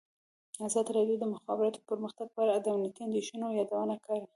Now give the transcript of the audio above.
ازادي راډیو د د مخابراتو پرمختګ په اړه د امنیتي اندېښنو یادونه کړې.